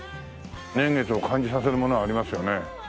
年月を感じさせるものありますよね。